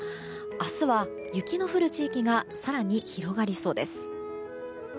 明日は、雪の降る地域が更に広がりそうです。